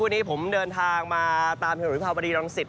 วันนี้ผมเดินทางมาตามเฉพาะวิภาพบริรังสิทธิ์